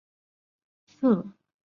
由脑膜炎奈瑟菌。